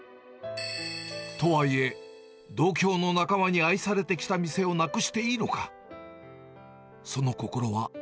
とはいえ、同郷の仲間に愛されてきた店をなくしていいのか。